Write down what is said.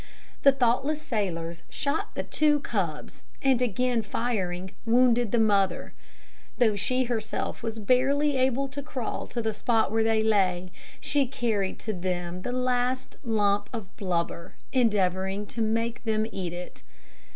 The thoughtless sailors shot the two cubs, and again firing, wounded the mother. Though she herself was barely able to crawl to the spot where they lay, she carried to them the last lump of blubber, endeavouring to make them eat it.